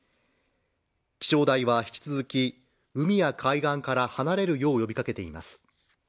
気象台は引き続き、海や海岸から離れるよう呼びかけています。